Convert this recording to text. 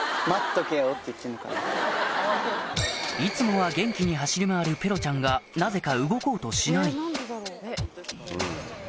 いつもは元気に走り回るペロちゃんがなぜかあっ。